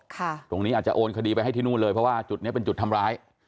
ตรงนี้อาจจะโอนคดีไปให้ที่นู่นเลยเพราะว่าจุดนี้เป็นจุดทำร้าย